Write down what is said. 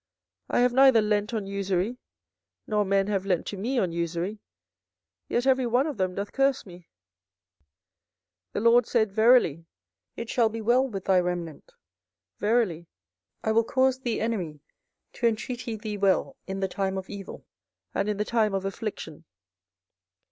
I have neither lent on usury, nor men have lent to me on usury; yet every one of them doth curse me. 24:015:011 The LORD said, Verily it shall be well with thy remnant; verily I will cause the enemy to entreat thee well in the time of evil and in the time of affliction.